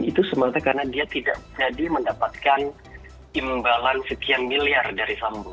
itu semata karena dia tidak menjadi mendapatkan imbalan sekian miliar dari sambu